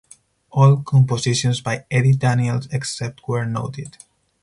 All compositions by Eddie Daniels except where noted